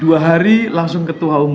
dua hari langsung ketua umum